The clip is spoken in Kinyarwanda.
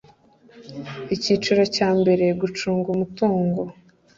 icyiciro cya mbere gucunga umutungo